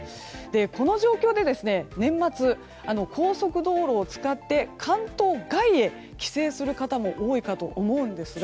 この状況で、年末高速道路を使って関東外へ帰省する方も多いかと思うんですが